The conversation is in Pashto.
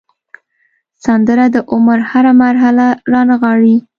سندره د عمر هره مرحله رانغاړي